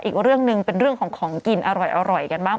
อีกเรื่องหนึ่งเป็นเรื่องของของกินอร่อยกันบ้าง